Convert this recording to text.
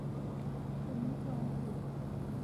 คุ้มครองสิทธิ์